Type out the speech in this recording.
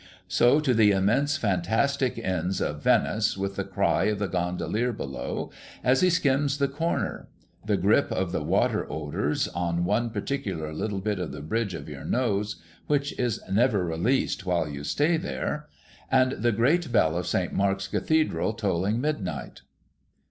So to the immense fantastic Inns of Venice, with the cry of the gondolier below, as he skims the corner ; the grip of the watery odours on one particular little bit of the bridge of your nose (which is never released while 102 THE HOLLY TREE you stay there) ; and the great bell of St. Mark's Cathedral tolHng midnight.